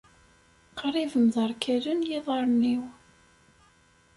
Qrib mderkalen yiḍarren-iw.